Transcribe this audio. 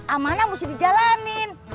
amanah mesti di jalanin